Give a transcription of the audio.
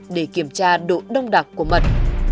để kiểm tra độ đông đặc của mật